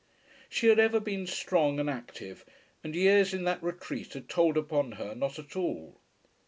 She had ever been strong and active, and years in that retreat had told upon her not at all.